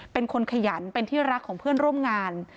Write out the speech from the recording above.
เป็นคนขยันเป็นที่รักของเพื่อนร่วมงาน